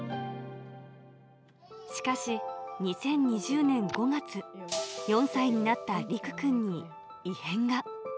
しかし２０２０年５月、４歳になったりくくんに異変が。